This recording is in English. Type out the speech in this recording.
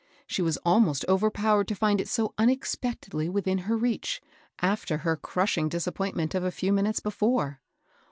She was almost overpowered to find it so unexpectedly within her reach, after her crushing disappoint ment of a few minutes before.